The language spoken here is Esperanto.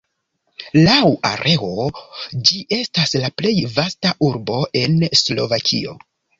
Laŭ areo ĝi estas la plej vasta urbo en Slovakio.